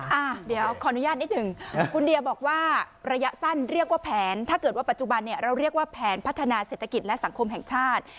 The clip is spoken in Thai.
อ่ะเดี๋ยวขออนุญาตนิดหนึ่งคุณเดียบอกว่าระยะสั้นเรียกว่าแผนถ้าเกิดว่าปัจจุบันเนี่ยเราเรียกว่าแผนพัฒนาเศรษฐกิจและสังคมแห่งชาติ